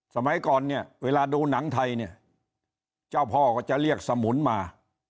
สมัยก่อนเนี่ยเวลาดูหนังไทยเนี่ยเจ้าพ่อก็จะเรียกสมุนมา